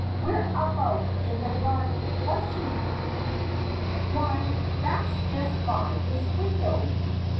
Whereabout in the garden was she? Why, that's just by this window.